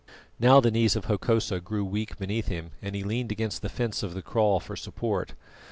Now the knees of Hokosa grew weak beneath him, and he leaned against the fence of the kraal for support.